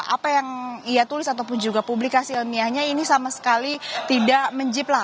apa yang ia tulis ataupun juga publikasi ilmiahnya ini sama sekali tidak menjip lah